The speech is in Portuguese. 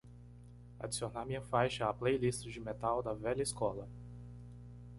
Adicionar minha faixa à playlist de metal da velha escola